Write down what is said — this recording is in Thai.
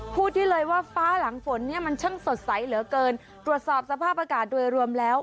พูดได้เลยว่าฟ้าหลังฝนเนี่ยมันช่างสดใสเหลือเกินตรวจสอบสภาพอากาศโดยรวมแล้ว